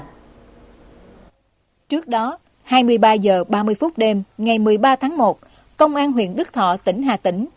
trước đó hai mươi ba h ba mươi phút đêm ngày một mươi ba tháng một công an huyện đức thọ tỉnh hà tĩnh